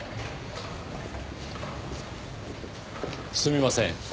すみません。